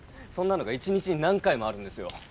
そんなのが一日に何回もあるんですよ。